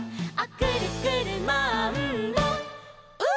「くるくるマンボウ！」